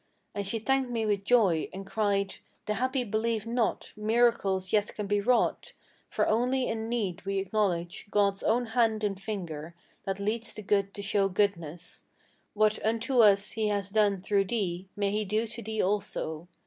And she thanked me with joy, and cried: 'The happy believe not Miracles yet can be wrought: for only in need we acknowledge God's own hand and finger, that leads the good to show goodness, What unto us he has done through thee, may he do to thee also!